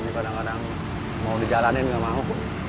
ini kadang kadang mau dijalanin nggak mau